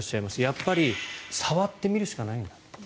やっぱり触ってみるしかないんだと。